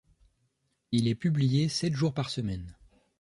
Il est publié sept jours par semaine.